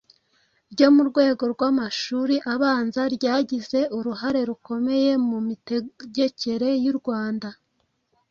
ryo mu rwego rw'amashuli abanza, ryagize uruhare rukomeye mu mitegekere y’u Rwanda.